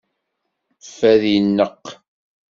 Fad ineqq.